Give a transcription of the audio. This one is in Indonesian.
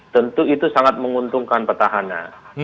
tentu itu sangat menguntungkan petahana